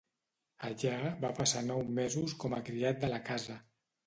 Allà va passar nou mesos com a criat de la casa.